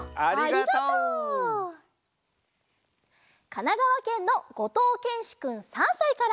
かながわけんのごとうけんしくん３さいから。